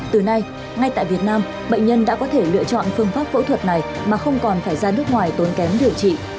từ nay ngay tại việt nam bệnh nhân đã có thể lựa chọn phương pháp phẫu thuật này mà không còn phải ra nước ngoài tốn kém điều trị